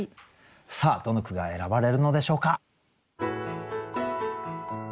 さあどの句が選ばれるのでしょうか。